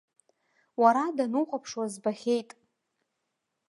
Уара данухәаԥшуа збахьеит.